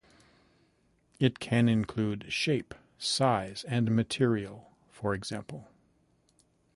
It can include shape, size, and material, for example.